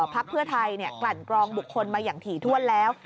พักเพื่อไทยกลั่นกรองบุคคลมาอย่างถี่ถ้วนแล้ว